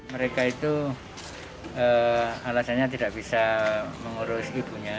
mereka itu alasannya tidak bisa mengurus ibunya